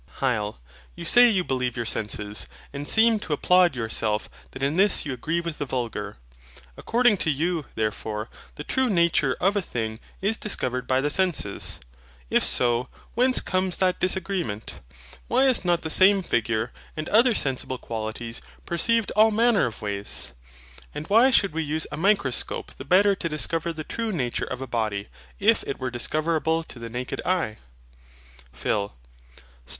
HYL. You say you believe your senses; and seem to applaud yourself that in this you agree with the vulgar. According to you, therefore, the true nature of a thing is discovered by the senses. If so, whence comes that disagreement? Why is not the same figure, and other sensible qualities, perceived all manner of ways? and why should we use a microscope the better to discover the true nature of a body, if it were discoverable to the naked eye? PHIL.